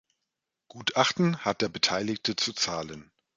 Gutachten hat der Beteiligte zu zahlen.